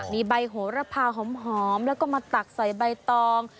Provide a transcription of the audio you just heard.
มีใบโหระพาหอมแล้วก็มาตักใส่ใบตอง